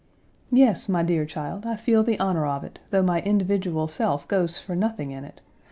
"Yes, my dear child, I feel the honor of it, though my individual self goes for nothing in it.